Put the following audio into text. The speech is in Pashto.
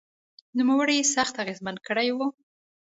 نوموړي یې سخت اغېزمن کړی و